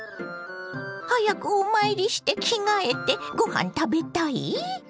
早くお参りして着替えてごはん食べたい？